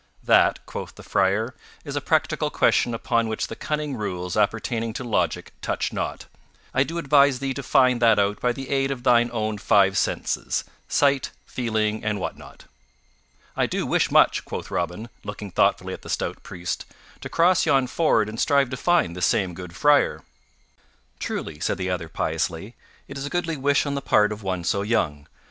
"That," quoth the Friar, "is a practical question upon which the cunning rules appertaining to logic touch not. I do advise thee to find that out by the aid of thine own five senses; sight, feeling, and what not." "I do wish much," quoth Robin, looking thoughtfully at the stout priest, "to cross yon ford and strive to find this same good Friar." "Truly," said the other piously, "it is a goodly wish on the part of one so young.